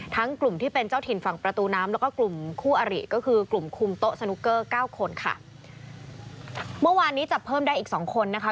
กลุ่มที่เป็นเจ้าถิ่นฝั่งประตูน้ำแล้วก็กลุ่มคู่อริก็คือกลุ่มคุมโต๊ะสนุกเกอร์เก้าคนค่ะเมื่อวานนี้จับเพิ่มได้อีกสองคนนะคะ